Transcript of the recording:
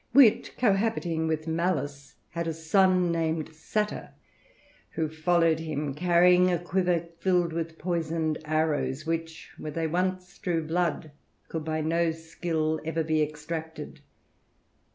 Wit, cohabiting with Malice, had a son named Satyr, who followed him, carrying a quiver filled with poisoned arrows, which, where they once drew blood, could by no skill ever be extracted.